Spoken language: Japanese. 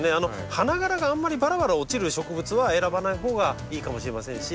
花がらがあんまりばらばら落ちる植物は選ばないほうがいいかもしれませんし。